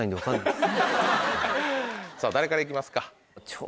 さぁ誰からいきますか？